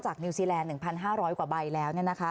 นิวซีแลนด์๑๕๐๐กว่าใบแล้ว